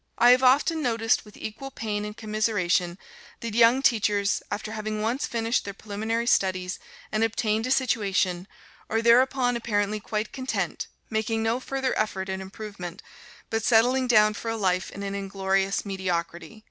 I have often noticed, with equal pain and commiseration, that young teachers, after having once finished their preliminary studies and obtained a situation, are thereupon apparently quite content, making no further effort at improvement, but settling down for life in an inglorious mediocrity.